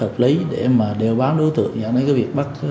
bây giờ mình có vì công